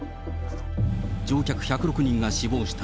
乗客１０６人が死亡した